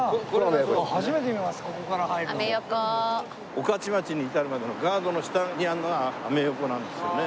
御徒町に至るまでのガードの下にあるのがアメ横なんですよね。